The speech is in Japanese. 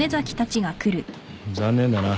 残念だな。